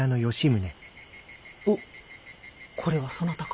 おこれはそなたか。